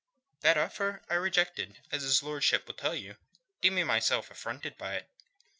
"That offer I rejected, as his lordship will tell you, deeming myself affronted by it.